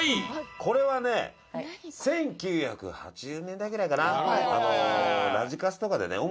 これはね１９８０年代ぐらいかな？